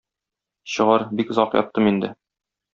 Чыгар, бик озак яттым инде.